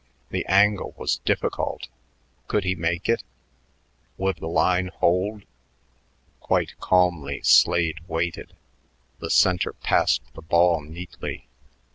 The angle was difficult. Could he make it? Would the line hold? Quite calmly Slade waited. The center passed the ball neatly.